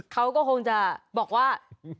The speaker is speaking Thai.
เขาก็คงจะบอกว่า